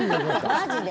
マジで？